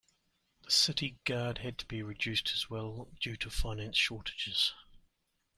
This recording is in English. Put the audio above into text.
The city guard had to be reduced as well due to finance shortages.